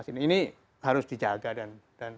ini harus dijaga dan